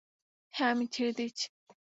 হ্যাঁ, আমি ছেড়ে দিয়েছি।